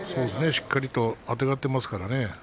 しっかりとあてがっていますからね